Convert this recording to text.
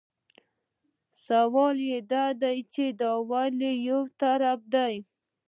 سوال دا دی چې دا ولې یو طرفه دي.